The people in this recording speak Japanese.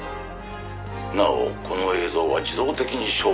「なおこの映像は自動的に消滅する」